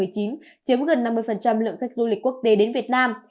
chiếm gần năm mươi lượng khách du lịch quốc tế đến việt nam